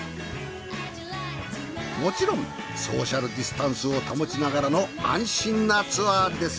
もちろんソーシャルディスタンスを保ちながらの安心なツアーです。